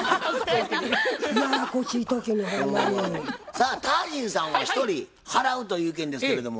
さあタージンさんは１人払うという意見ですけれども。